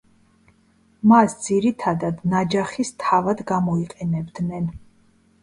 მას ძირითადად ნაჯახის თავად გამოიყენებდნენ.